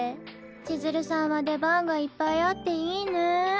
千鶴さんは出番がいっぱいあっていいね。